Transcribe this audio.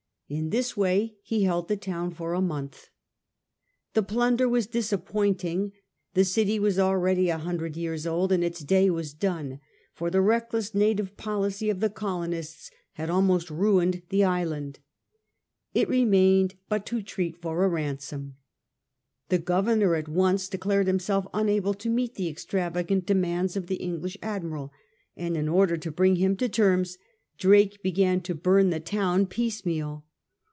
In this way he held the city for a month. The plunder was disappointing. The city was already a hundred years old, and its day was done; for the reckless native policy of the colonists had almost ruined the island. It remained but to treat for a ransom. The Governor at once declared himself unable to meet the extravagant demands of the English Admiral, and in order to bring him to terms Drake began to bum the town piecemeal.